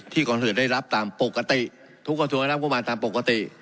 ที่กรณศึกษาได้รับตามปกติทุกกรณศึกษาได้รับงบมารตามปกติ